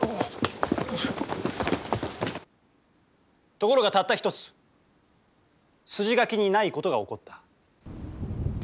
ところがたった一つ筋書きにない事が起こった。